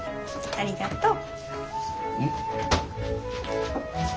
ありがとう。